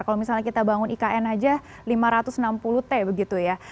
kalau misalnya kita bangun ikn aja lima ratus enam puluh t begitu ya